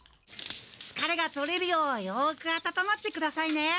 つかれが取れるようよく温まってくださいね。